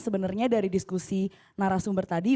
sebenarnya dari diskusi narasumber tadi